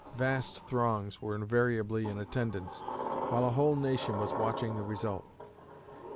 Vast throngs were invariably in attendance, while a whole nation was watching the result.